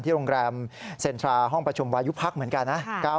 โรงแรมเซ็นทราห้องประชุมวายุพักเหมือนกันนะ